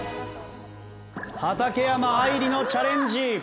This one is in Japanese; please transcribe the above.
畠山愛理のチャレンジ。